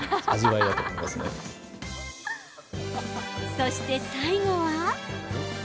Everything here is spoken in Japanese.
そして最後は。